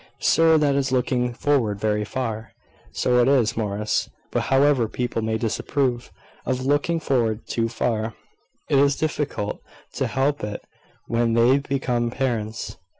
"Sir, that is looking forward very far." "So it is, Morris. But however people may disapprove of looking forward too far, it is difficult to help it when they become parents.